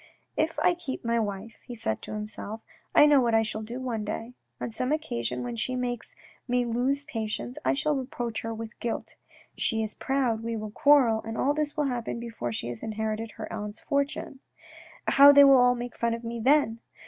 " If I keep my wife," he said to himself, " I know what I shall do one day ; on some occasion when she makes me lose patience, I shall reproach her with her guilt. She is proud, we shall quarrel, and all this will happen before she has inherited her aunt's fortune. And how they will all make fun of me then